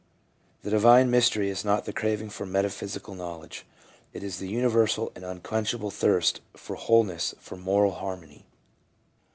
The "divine mystery" is not the craving for metaphysical knowledge, it is the universal and unquenchable thirst for wholeness, for moral harmony.